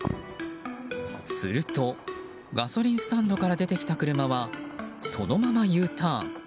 すると、ガソリンスタンドから出てきた車はそのままＵターン。